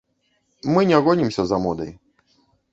Мы не гонімся за модай.